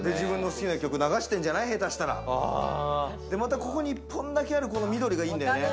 またここに１本だけある緑がいいんだよね。